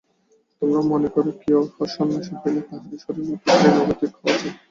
তোমরা মনে কর, কেহ সন্ন্যাসী হইলেই তাহার ঈশ্বরের মত ত্রিগুণাতীত হওয়া চাই।